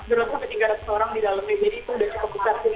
dan konfinans juga untuk kita yang di kampus